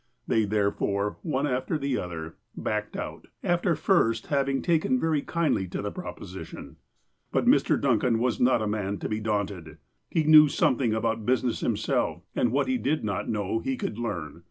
They, therefore, one after the other, backed out, after first hav ing taken very kindly to the proposition. But Mr. Duncan was not the man to be daunted. He knew something about business himself, and what he did not know, he could learn.